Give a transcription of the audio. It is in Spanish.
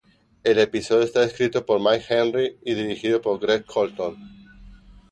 El episodio está escrito por Mike Henry y dirigido por Greg Colton.